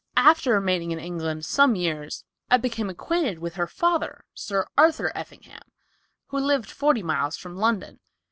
"After remaining in England some years I became acquainted with her father, Sir Arthur Effingham, who lived forty miles from London.